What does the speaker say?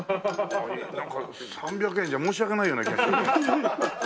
なんか３００円じゃ申し訳ないような気がする。